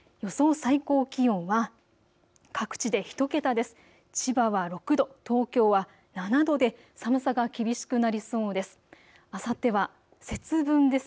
最高気温は各地で１桁です。